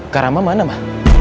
kak ramah mana ma